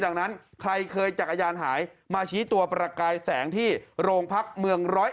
ดังนั้นใครเคยจักรยานหายมาชี้ตัวประกายแสงที่โรงพักเมือง๑๐๑